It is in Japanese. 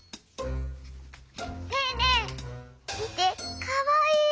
ねえねえみてかわいい！